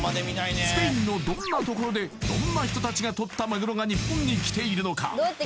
スペインのどんなところでどんな人たちがとったマグロが日本に来ているのか？